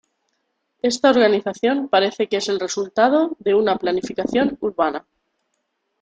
Esta organización parece que es el resultado de una planificación urbana.